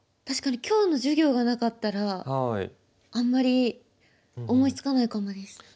確かに今日の授業がなかったらあんまり思いつかないかもです。